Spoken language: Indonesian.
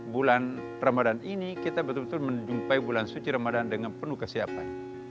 bulan ramadan ini kita betul betul menjumpai bulan suci ramadan dengan penuh kesiapan